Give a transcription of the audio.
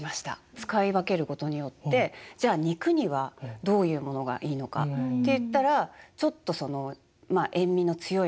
使い分けることによってじゃあ肉にはどういうものがいいのかっていったらちょっとそのまあ塩味の強いものっていうのが。